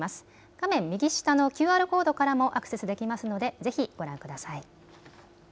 画面右下のＱＲコードからもアクセスできますのでぜひご覧ください。